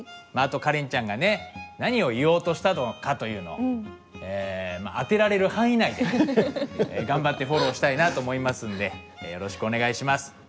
まああとカレンちゃんがね何を言おうとしたのかというのをまあ当てられる範囲内で頑張ってフォローしたいなと思いますんでよろしくお願いします。